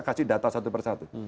kasih data satu persatu